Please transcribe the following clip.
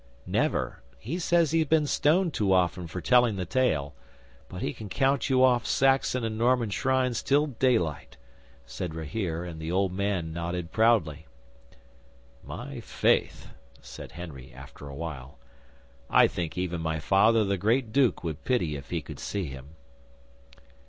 "Never. He says he has been stoned too often for telling the tale. But he can count you off Saxon and Norman shrines till daylight," said Rahere and the old man nodded proudly. '"My faith!" said Henry after a while. "I think even my Father the Great Duke would pity if he could see him."